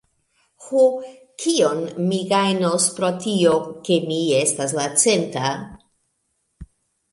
"Ho, kion mi gajnos pro tio, ke mi estas la centa?"